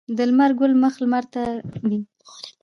د لمر ګل مخ لمر ته وي